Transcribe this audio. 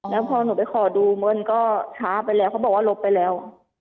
แล้วพอหนูไปขอดูเงินก็ช้าไปแล้วเขาบอกว่าลบไปแล้ว